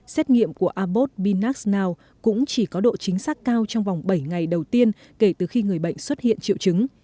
xét nghiệm của abbott pinac nau cũng chỉ có độ chính xác cao trong vòng bảy ngày đầu tiên kể từ khi người bệnh xuất hiện triệu chứng